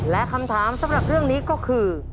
และคำถามสำหรับเรื่องนี้ก็คือ